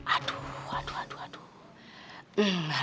aduh aduh aduh